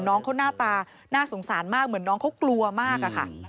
น้องเขาหน้าตาน่าสงสารมากเหมือนน้องเขากลัวมากอะค่ะ